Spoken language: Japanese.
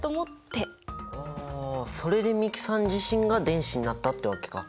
あそれで美樹さん自身が電子になったってわけか。